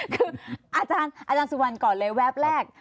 คืออาจารย์สุวรรณก่อนเลยแวบแรก